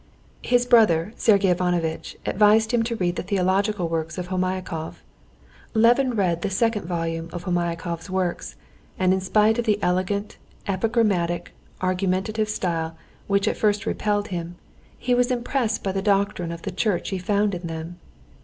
His brother Sergey Ivanovitch advised him to read the theological works of Homiakov. Levin read the second volume of Homiakov's works, and in spite of the elegant, epigrammatic, argumentative style which at first repelled him, he was impressed by the doctrine of the church he found in them.